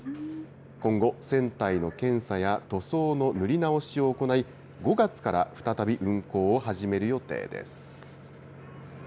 今後、船体の検査や塗装の塗り直しを行い、５月から再び運航を始める予定です。